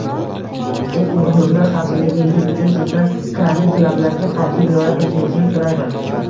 Eng muhimi, xavfsizligingiz uchun sizdan karantin talablariga qatʼiy rioya qilishingizni soʻrayman